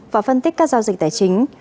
và phân tích các giao dịch tài chính